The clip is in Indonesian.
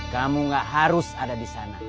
kamu gak harus ada di sana